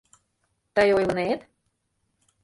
— Тый ойлынет...